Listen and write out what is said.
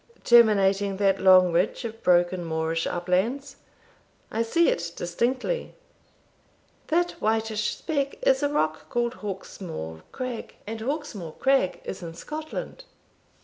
"Terminating that long ridge of broken moorish uplands? I see it distinctly." "That whitish speck is a rock called Hawkesmore crag, and Hawkesmore crag is in Scotland."